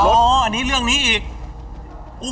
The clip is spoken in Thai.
อ๋ออันนี้เรื่องนี้อีก